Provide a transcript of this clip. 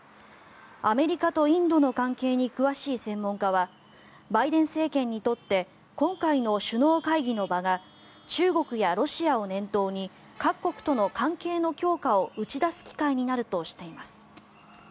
アメリカとインドの関係に詳しい専門家はバイデン政権にとって今回の首脳会議の場が中国やロシアを念頭に各国との関係の強化を打ち出す機会になるとしています。